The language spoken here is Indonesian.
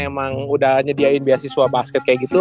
emang udah nyediain beasiswa basket kayak gitu